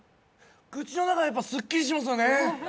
口の中やっぱすっきりしますよね。